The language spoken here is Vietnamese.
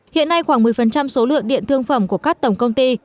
hiện nay khoảng một mươi số lượng điện thương phẩm của các tổng công ty